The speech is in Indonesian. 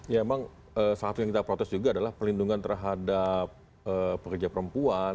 ya memang satu yang kita protes juga adalah perlindungan terhadap pekerja perempuan